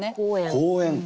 「公園」。